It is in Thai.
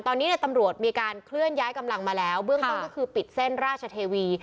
ตอนนี้ตำรวจมีการเคลื่อนย้ายกำลังมาแล้วเบื้องต้นก็คือปิดเส้นราชเทวี